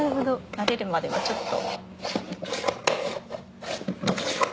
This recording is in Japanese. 慣れるまではちょっと。